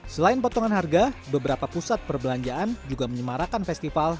selain potongan harga beberapa pusat perbelanjaan juga menyemarakan festival